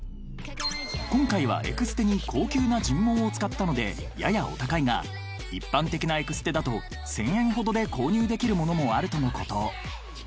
［今回はエクステに高級な人毛を使ったのでややお高いが一般的なエクステだと１，０００円ほどで購入できるものもあるとのこと］